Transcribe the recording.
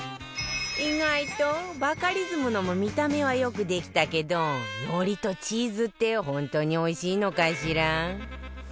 意外とバカリズムのも見た目はよくできたけど海苔とチーズって本当においしいのかしら？